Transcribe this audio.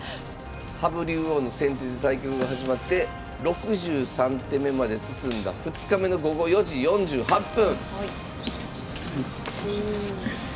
羽生竜王の先手で対局が始まって６３手目まで進んだ２日目の午後４時４８分。